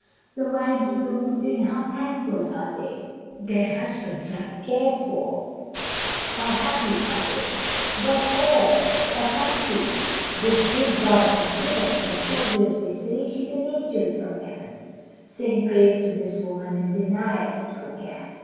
The wives of the wounded, how thankful are they; Their husbands are cared for, how happy are they; Whate'er her country, this gift God has given, The soldiers they say she's an angel from heaven. Sing praise to this woman, and deny it who can!